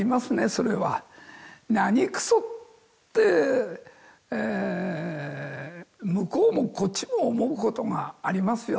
それは何くそって向こうもこっちも思うことがありますよ